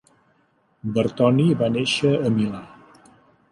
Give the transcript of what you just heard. Bertoni va néixer a Milà.